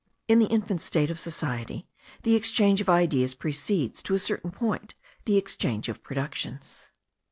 In the infant state of society, the exchange of ideas precedes, to a certain point, the exchange of productions.